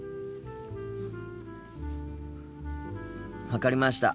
分かりました。